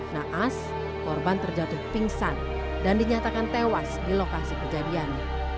naas korban terjatuh pingsan dan dinyatakan tewas di lokasi kejadian